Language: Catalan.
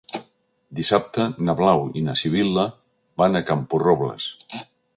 Dissabte na Blau i na Sibil·la van a Camporrobles.